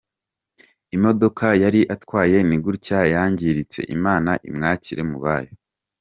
Imodoka yari atwaye ni gutya yangiritse!! Imana imwakire mu bayo!!.